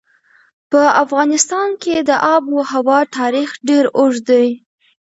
په افغانستان کې د آب وهوا تاریخ ډېر اوږد دی.